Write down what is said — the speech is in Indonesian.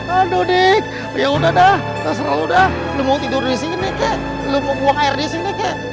aduh dik ya udah dah tak serah lo dah lo mau tidur disini kek lo mau buang air disini kek